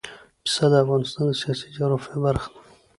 پسه د افغانستان د سیاسي جغرافیه برخه ده.